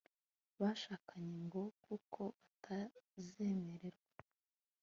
bashakanye ngo kuko batazemererwa